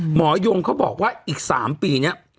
หมอยงเขาบอกว่าอีก๓ปีนี้